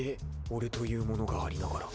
俺というものがありながら。